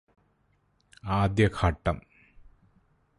ആദ്യ ഘട്ടം